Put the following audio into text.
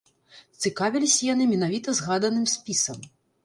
Цікавіліся яны менавіта згаданым спісам.